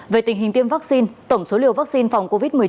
về tình hình tiêm vaccine tổng số liều vaccine phòng covid một mươi chín